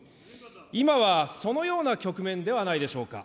今はそのような局面ではないでしょうか。